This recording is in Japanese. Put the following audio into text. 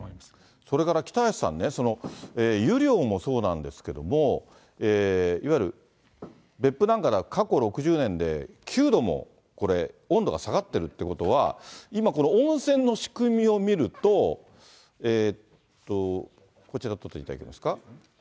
それから北橋さんね、湯量もそうなんですけども、いわゆる、別府なんかだと、過去６０年で、９度も温度が下がってるっていうことは、今、この温泉の仕組みを見ると、こちら、撮っていただけますか。